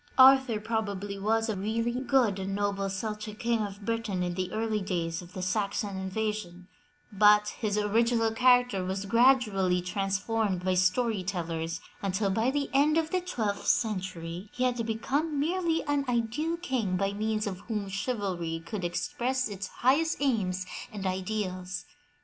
Arthur probably was a really good and noble Celtic King of Britain in the early days of the Saxon invasion, but his original character was gradually transformed by story tellers until by the end of the twelfth century he had become merely an ideal king by means of whom chivalry could express its highest aims and ideals.